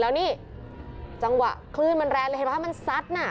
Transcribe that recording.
แล้วนี่จังหวะคลื่นมันแรงเลยเห็นไหมคะมันซัดน่ะ